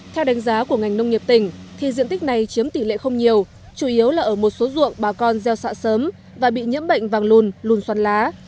theo đánh giá của ngành nông nghiệp tỉnh thì diện tích này chiếm tỷ lệ không nhiều chủ yếu là ở một số ruộng bà con gieo xạ sớm và bị nhiễm bệnh vàng lùn lùn xoắn lá